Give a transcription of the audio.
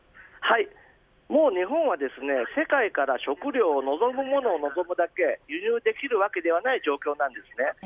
もう日本は世界から食料を望むものを望むだけ輸入できるわけではない状況です。